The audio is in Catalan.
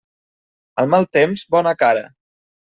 Al mal temps, bona cara.